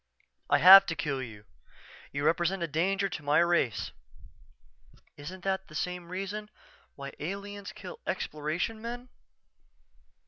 _" "I have to kill you. You represent a danger to my race." "_Isn't that the same reason why aliens kill Exploration men?